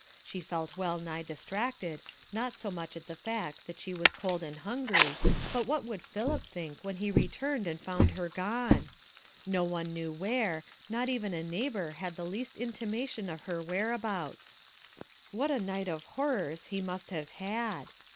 She felt well nigh distracted, not so much at the fact that she was cold and hungry, but what would Philip think when he returned and found her gone? No one knew where; not even a neighbour had the least intimation of her whereabouts. What a night of horrors he must have had!